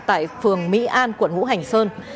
tại phường mỹ an quận hữu hành sơn